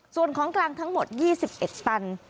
ส่วนของกลางทั้งหมด๒๑ตัน